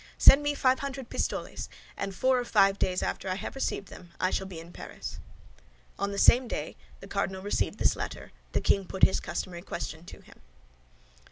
Send me five hundred pistoles, and four or five days after I have received them I shall be in Paris." On the same day the cardinal received this letter the king put his customary question to him.